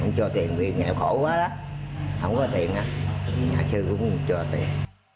hổng cho tiền vì nghèo khổ quá đó hổng có tiền á nhà sư cũng cho tiền